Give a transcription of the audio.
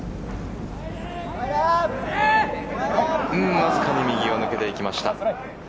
わずかに右を抜けていきました。